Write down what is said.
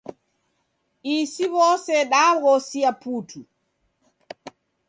Isi w'ose daghosia putu.